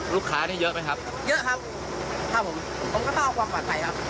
นี่เยอะไหมครับเยอะครับครับผมผมก็ต้องเอาความปลอดภัยครับ